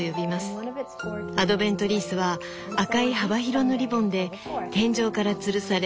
アドベントリースは赤い幅広のリボンで天井からつるされ